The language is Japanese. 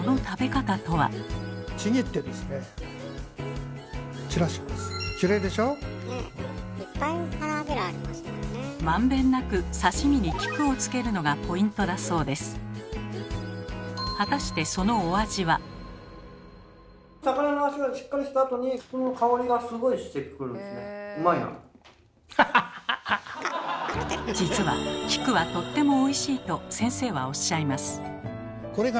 実は菊はとってもおいしいと先生はおっしゃいます。